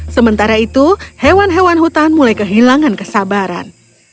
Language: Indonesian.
sementara itu hewan hewan hutan mulai kehilangan kesabaran